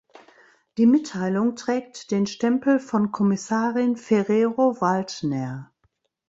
Die Mitteilung trägt den Stempel von Kommissarin Ferrero-Waldner.